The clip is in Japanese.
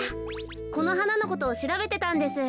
このはなのことをしらべてたんです。